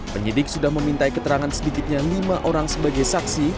penyidik sudah memintai keterangan sedikitnya lima orang sebagai saksi